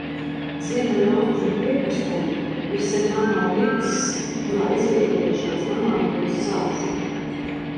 Ziemeļaustrumu piekrastē ir Senmalo līcis, kurā izvietojušās Normandijas salas.